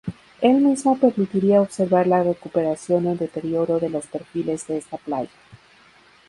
El mismo permitiría observar la recuperación o deterioro de los perfiles de esta Playa.